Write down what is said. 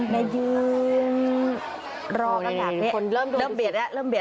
ในยืนรอกันจากนี้